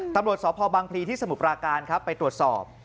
ตำรวจสบังพลีที่สมุปราการไปตรวจสอบ